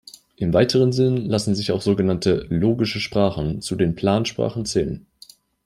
Im weiteren Sinn lassen sich auch sogenannte "logische Sprachen" zu den Plansprachen zählen.